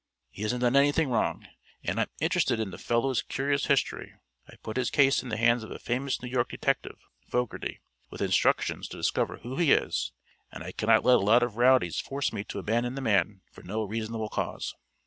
He hasn't done anything wrong, and I'm interested in the fellow's curious history. I've put his case in the hands of a famous New York detective Fogerty with instructions to discover who he is, and I can't let a lot of rowdies force me to abandon the man for no reasonable cause."